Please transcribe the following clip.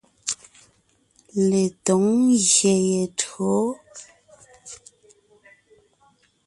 Letǒŋ ngyè ye tÿǒ.